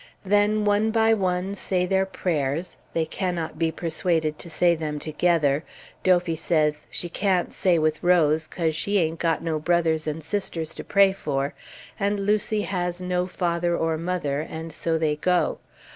Then one by one say their prayers they cannot be persuaded to say them together; Dophy says "she can't say with Rose, 'cause she ain't got no brothers and sisters to pray for," and Lucy has no father or mother, and so they go.